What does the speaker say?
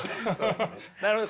なるほど。